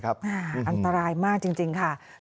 อันตรายมากจริงค่ะ